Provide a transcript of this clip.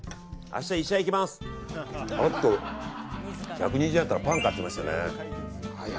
あと１２０円あったらパン買ってましたね。